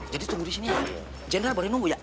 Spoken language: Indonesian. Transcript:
jadi tunggu di sini ya jenderal boleh nunggu ya